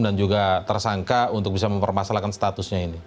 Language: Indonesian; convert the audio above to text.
dan juga tersangka untuk bisa mempermasalahkan statusnya ini